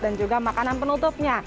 dan juga makanan penutupnya